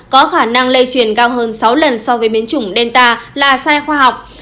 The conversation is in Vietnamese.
có khả năng lây truyền cao hơn sáu lần so với biến chủng delta là sai khoa học